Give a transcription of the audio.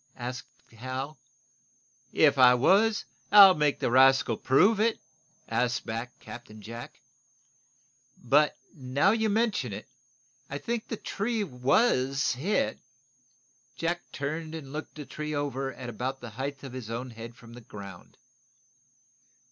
gasped Hal. "If I was, I'll make the rascal prove it," asked back Captain Jack. "But, now you mention it, I think the tree was hit." Jack turned and looked the tree trunk over at about the height of his own head from the ground.